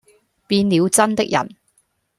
變了眞的人。